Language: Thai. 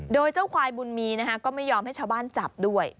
โดยเจ้าควายบุญมีนะคะก็ไม่ยอมให้ชาวบ้านจับด้วย